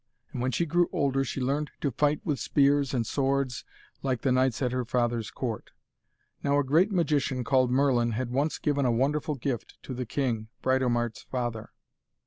And when she grew older she learned to fight with spears and swords like the knights at her father's court. Now a great magician called Merlin had once given a wonderful gift to the king, Britomart's father.